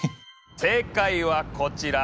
正解はこちら。